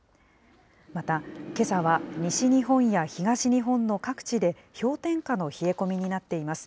また、けさは西日本や東日本の各地で氷点下の冷え込みになっています。